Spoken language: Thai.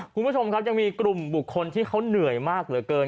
คุณผู้ชมครับยังมีกลุ่มบุคคลที่เขาเหนื่อยมากเหลือเกิน